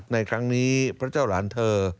ในครั้งนี้พระเจ้าหลานเธอ